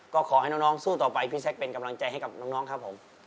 ก็ขอให้น้องสู้ต่อไปพี่แซคเป็นกำลังใจให้กับน้องครับผม